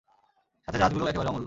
সাথে জাহাজগুলোও একেবারে অমূল্য।